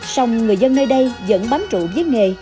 sông người dân nơi đây vẫn bám trụ với nghề